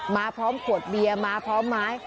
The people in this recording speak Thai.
มาพร้อมขวดเบียร์มาพร้อมไม้